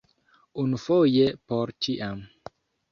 Unufoje por ĉiam!